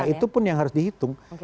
itu pun yang harus dihitung